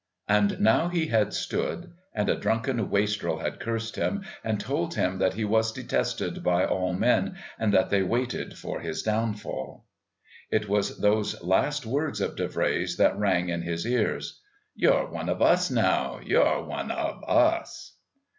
And now he had stood, and a drunken wastrel had cursed him and told him that he was detested by all men and that they waited for his downfall. It was those last words of Davray's that rang in his ears: "You're one of us now. You're one of us."